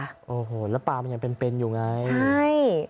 แบบว่าปลามันยังเป็นอยู่ไงใช่